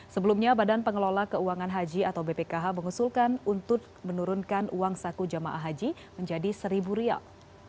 sebelumnya badan pengelola keuangan haji atau bpkh mengusulkan untuk menurunkan uang saku jemaah haji menjadi rp satu